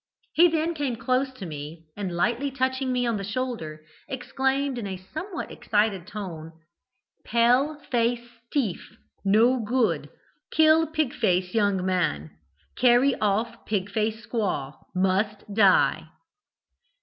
He then came close to me, and, lightly touching me on the shoulder, exclaimed in a somewhat excited tone, 'Pale face tief no good kill Pig face young man carry off Pig face squaw must die.'